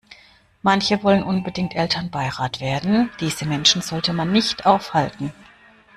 Manche wollen unbedingt Elternbeirat werden, diese Menschen sollte man nicht aufhalten.